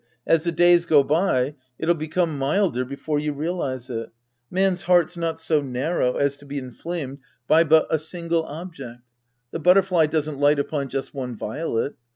As the days go by, it'll become milder before you realize it. Man's heart's not so narrow as to be inflamed by but a single object. The butterfly doesn't light upon just one violet.